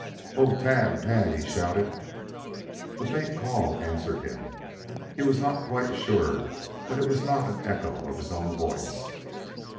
"Oh, Tad! Tad!" he shouted. A faint call answered him. He was not quite sure that it was not an echo of his own voice.